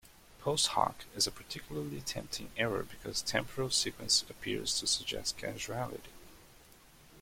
"Post hoc" is a particularly tempting error because temporal sequence appears to suggest causality.